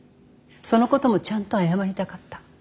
そのこともちゃんと謝りたかった。